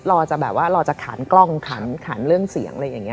รอจะขานกล้องอุปกรณ์ขานเรื่องเสียง